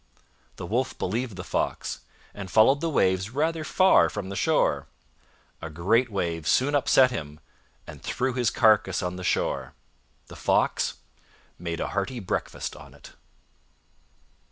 The Wolf believed the Fox, and followed the waves rather far from the shore. A great wave soon upset him, and threw his carcass on the shore. The Fox made a hearty breakfast on it.